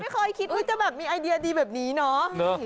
เคยคิดว่าจะแบบมีไอเดียดีแบบนี้เนาะ